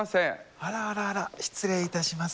あらあらあら失礼いたします。